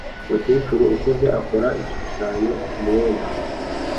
Umukecuru ukuze akora igishushanyo ku mwenda